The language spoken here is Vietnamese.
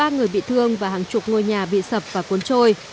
ba người bị thương và hàng chục ngôi nhà bị sập và cuốn trôi